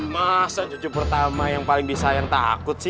masa cucu pertama yang paling disayang takut sih